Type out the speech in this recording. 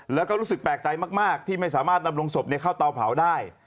แล้วก็รู้สึกแปลกใจมากที่ไม่สามารถนำลงศพเข้าเตาเผาได้